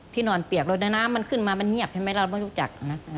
ที่นอนเปียกและน้ำมันขึ้นมามันเยี่ยมไหมเราไม่รู้จัก